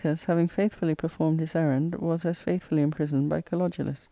469 For Menalcas, having faithfully performed his errand, was as faithfully imprisoned by Kalodulus.